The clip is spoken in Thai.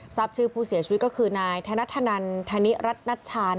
ทรัพย์ชื่อผู้เสียชุดก็คือนายธนัทธนันทนิรัตนัชชา